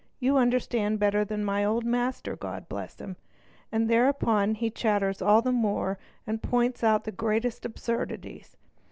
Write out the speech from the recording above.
You under — stand better than my old master, God bless him''; and thereupon he © chatters all the more and points out the greatest absurdities.